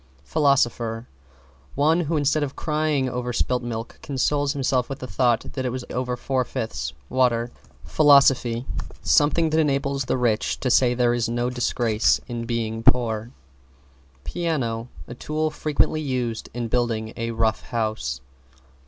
=PHILOSOPHER= One who instead of crying over spilt milk consoles himself with the thought that it was over four fifths water. =PHILOSOPHY= Something that enables the rich to say there is no disgrace in being poor. =PIANO= A tool frequently used in building a Rough House.